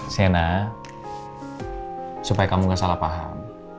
sena supaya kamu gak salah paham